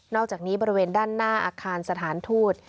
อกจากนี้บริเวณด้านหน้าอาคารสถานทูต